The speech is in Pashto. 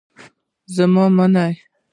زما منی.